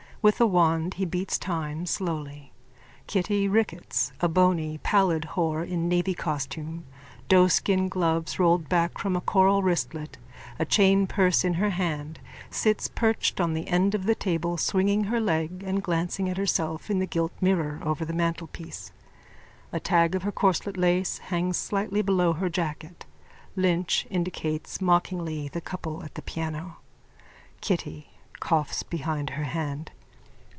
With a wand he beats time slowly. Kitty Ricketts, a bony pallid whore in navy costume, doeskin gloves rolled back from a coral wristlet, a chain purse in her hand, sits perched on the edge of the table swinging her leg and glancing at herself in the gilt mirror over the mantelpiece. A tag of her corsetlace hangs slightly below her jacket. Lynch indicates mockingly the couple at the piano.)_ KITTY: _(Coughs behind her hand.)